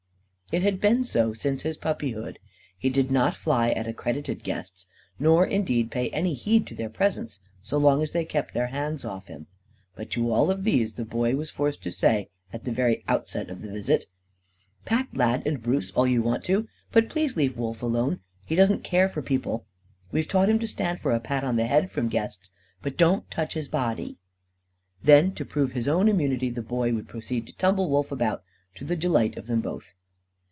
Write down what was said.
It had been so since his puppyhood. He did not fly at accredited guests, nor, indeed, pay any heed to their presence, so long as they kept their hands off him. But to all of these the Boy was forced to say at the very outset of the visit: "Pat Lad and Bruce all you want to, but please leave Wolf alone. He doesn't care for people. We've taught him to stand for a pat on the head, from guests, but don't touch his body." Then, to prove his own immunity, the Boy would proceed to tumble Wolf about, to the delight of them both.